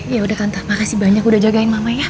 ya udah kanto makasih banyak udah jagain mama ya